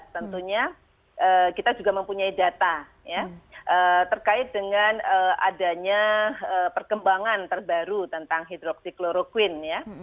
tentunya kita juga mempunyai data ya terkait dengan adanya perkembangan terbaru tentang hidroksikloroquine ya